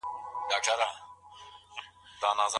ولي د طلاق سببونه پټ ساتل کيږي؟